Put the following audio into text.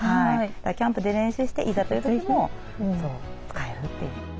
キャンプで練習していざという時も使えるという。